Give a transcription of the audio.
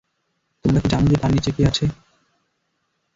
তোমরা কি জান যে, তার নিচে কী আছে?